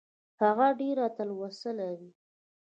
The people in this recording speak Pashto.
هغه ډېره تلوسه لري .